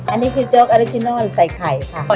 อันนี้คือโจ๊กอริจินอนใส่ไข่ค่ะ